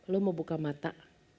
lo mau buka mata